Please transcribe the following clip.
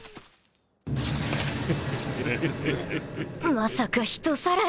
まさか人さらい？